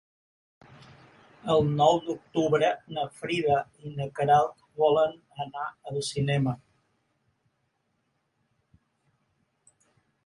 El nou d'octubre na Frida i na Queralt volen anar al cinema.